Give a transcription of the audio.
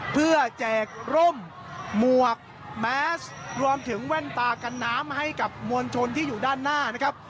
เพื่อแจกร่มหมวกแมสรวมถึงแว่นตากันน้ำให้กับมวลชนที่อยู่ด้านหน้านะครับ